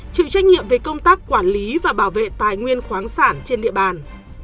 chịu trách nhiệm về công tác quản lý và bảo vệ tài nguyên khoáng sản trên địa bàn